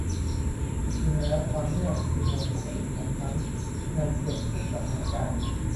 ที่จริงแล้ว ความเงียบคือโหมดปกติของฉันในเกือบทุกสถานการณ์